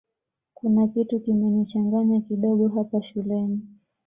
kuna kitu kimenichanganya kidogo hapa shuleni